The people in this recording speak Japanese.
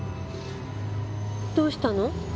どうしたの？